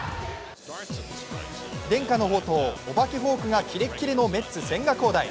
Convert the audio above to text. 伝家の宝刀、お化けフォークがキレッキレのメッツ・千賀滉大。